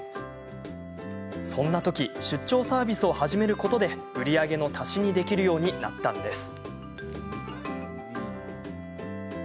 そんなとき出張サービスを始めることで売り上げの足しにできるようになったんです。